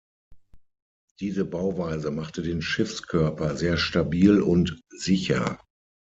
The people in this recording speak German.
Diese Bauweise machte den Schiffskörper sehr stabil und sicher.